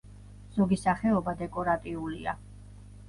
ზოგი სახეობა დეკორატიულია.